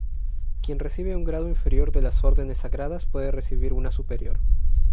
Quien recibe un grado inferior de las órdenes sagradas puede recibir una superior.